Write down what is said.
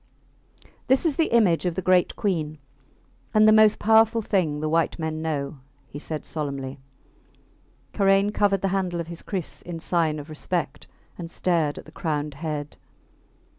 This is the image of the Great Queen, and the most powerful thing the white men know, he said, solemnly. Karain covered the handle of his kriss in sign of respect, and stared at the crowned head.